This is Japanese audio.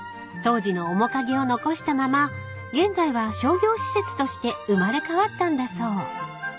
［当時の面影を残したまま現在は商業施設として生まれ変わったんだそう］